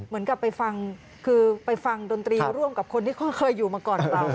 เหมือนกับไปฟังคือไปฟังดนตรีร่วมกับคนที่เขาเคยอยู่มาก่อนเรา